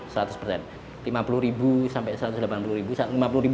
lima puluh sampai satu ratus delapan puluh